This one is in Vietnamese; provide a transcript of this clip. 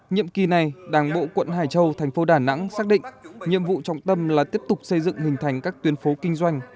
nhiệm kỳ này đảng bộ quận hải châu thành phố đà nẵng xác định nhiệm vụ trọng tâm là tiếp tục xây dựng hình thành các tuyến phố kinh doanh